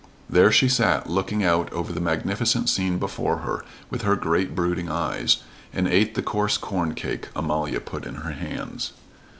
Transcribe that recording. There she sat looking out over the magnificent scene before her with her great brooding eyes, and ate the coarse corn cake Amalia put in her hands.